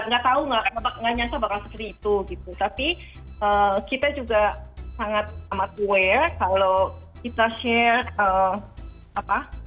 enggak enggak tahu enggak nyata bahkan seperti itu gitu tapi kita juga sangat amat aware kalau kita share apa